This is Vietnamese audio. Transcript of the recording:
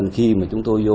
khi mà chúng tôi vô